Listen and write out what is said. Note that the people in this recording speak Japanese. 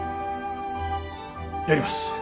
やります。